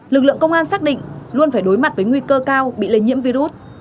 lực lượng công an xác định luôn phải đối mặt với nguy cơ cao bị lây nhiễm virus